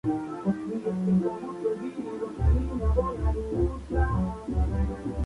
Eduardo tiene una amante, Claudia Riascos, que trabaja como su asesora de prensa.